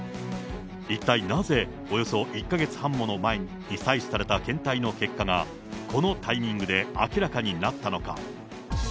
一体なぜ、およそ１か月半も前に採取された検体の結果が、このタイミングで明らかになったのか。